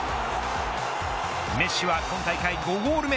メッシは今大会５ゴール目。